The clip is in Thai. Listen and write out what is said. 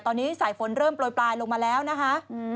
ตอนนี้สายฝนเริ่มโปรยปลายลงมาแล้วนะคะ